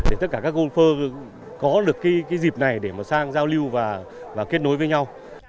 để tất cả các golfer có được cái dịp này để mà sang giao lưu và kết nối với nhau